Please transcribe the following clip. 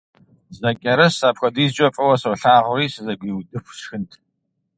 Зэкӏэрыс апхуэдизкӏэ фӏыуэ солъагъури сызэгуиудыху сшхынт.